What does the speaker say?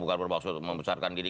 bukan bermaksud membesarkan diri